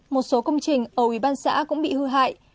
một số công trình ở ủy ban xã cũng bị hư hại